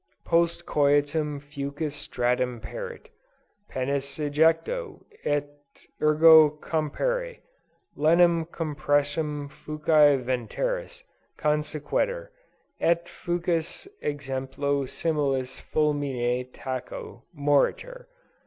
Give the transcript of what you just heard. Post coitum fucus statim perit. Penis ejectio, ut ego comperi, lenem compressionem fuci ventris, consequitur; et fucus extemplo similis fulmine tacto, moritur.